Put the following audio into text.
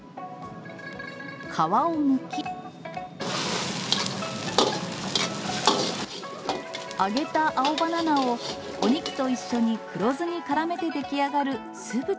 皮をむき、揚げた青バナナをお肉と一緒に黒酢にからめて出来上がる酢豚。